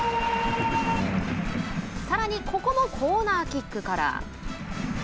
さらにここもコーナーキックから。